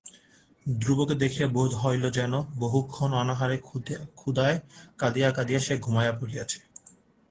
ধ্রুবকে দেখিয়া বোধ হইল যেন বহুক্ষণ অনাহারে ক্ষুধায় কাঁদিয়া কাঁদিয়া সে ঘুমাইয়া পড়িয়াছে।